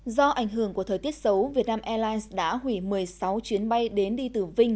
do ảnh hưởng của thời tiết xấu vietnam airlines đã hủy một mươi sáu chuyến bay đến đi từ vinh